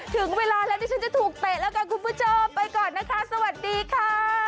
ถึงเวลาแล้วดิฉันจะถูกเตะแล้วกันคุณผู้ชมไปก่อนนะคะสวัสดีค่ะ